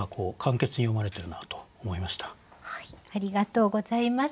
ありがとうございます。